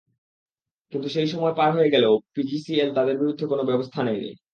কিন্তু সেই সময় পার হয়ে গেলেও পিজিসিএল তাদের বিরুদ্ধে কোনো ব্যবস্থা নেয়নি।